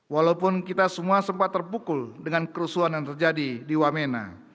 walaupun kita semua sempat terpukul dengan kerusuhan yang terjadi di wamena